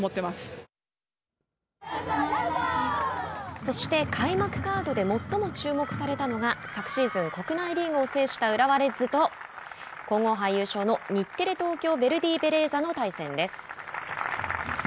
そして、開幕カードで最も注目されたのが昨シーズン、国内リーグを制した浦和レッズと皇后杯優賞の日テレ・東京ヴェルディベレーザの対戦です。